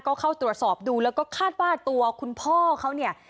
ก็เข้าตรวจสอบดูแล้วก็คาดว่าตัวคุณพ่อเขาเนี่ย